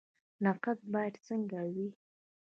نقد باید څنګه وي؟